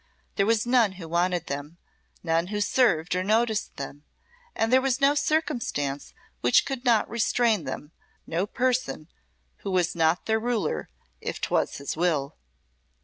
There was none who wanted them, none who served or noticed them, and there was no circumstance which could not restrain them, no person who was not their ruler if 'twas his will.